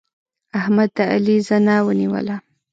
احمد د علي زنه ونيوله.